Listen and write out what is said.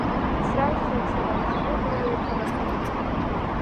Сраҩсуеит сара, сгәыӷра ҩҳаракны.